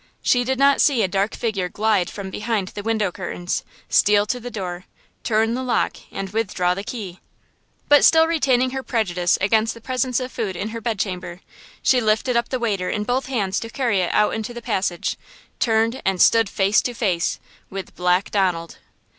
She did not see a dark figure glide from behind the window curtains, steal to the door, turn the lock and withdraw the key! But still retaining her prejudice against the presence of food in her bed chamber, she lifted up the waiter in both hands to carry it out into the passage, turned and stood face to face with–Black Donald!